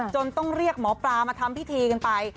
ต้องเรียกหมอปลามาทำพิธีกันไป